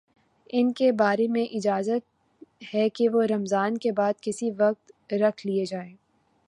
ان کے بارے میں اجازت ہے کہ وہ رمضان کے بعد کسی وقت رکھ لیے جائیں